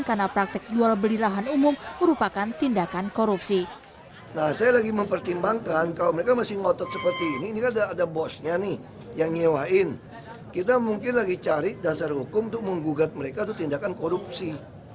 karena praktek jual beli lahan umum merupakan tindakan korupsi